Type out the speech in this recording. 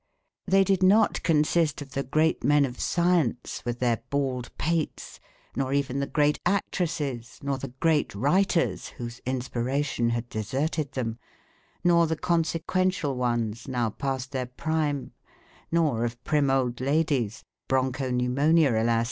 They did not consist of the great men of science with their bald pates, nor even the great actresses, nor the great writers, whose inspiration had deserted them, nor the consequential ones now past their prime, nor of prim old ladies broncho pneumonia, alas!